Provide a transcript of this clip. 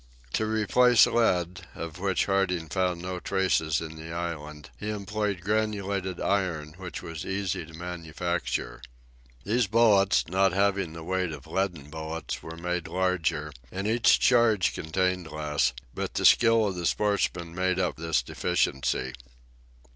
To replace lead, of which Harding had found no traces in the island, he employed granulated iron, which was easy to manufacture. These bullets, not having the weight of leaden bullets, were made larger, and each charge contained less, but the skill of the sportsmen made up this deficiency.